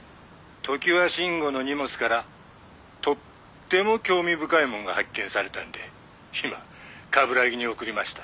「常盤臣吾の荷物からとっても興味深いものが発見されたんで今冠城に送りました。